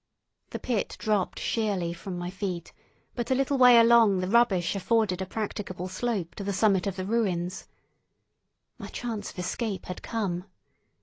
The pit dropped sheerly from my feet, but a little way along the rubbish afforded a practicable slope to the summit of the ruins. My chance of escape had come.